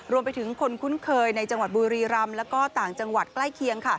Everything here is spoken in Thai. รวมไปถึงคนคุ้นเคยในจังหวัดบุรีรำแล้วก็ต่างจังหวัดใกล้เคียง